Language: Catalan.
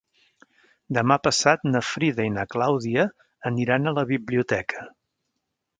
Demà passat na Frida i na Clàudia aniran a la biblioteca.